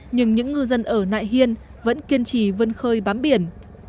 nhưng những ngư dân ở nại hiên vẫn kiên trì vân khơi bám biển